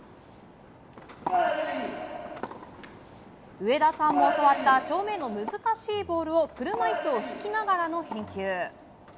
上田さんも教わった正面の難しいボールを車いすを引きながらの返球。